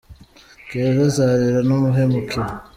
Keza azarira numuhemukira